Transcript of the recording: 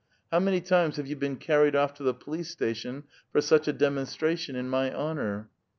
How many times have you been carried off to the police station for such a demonstration in my honor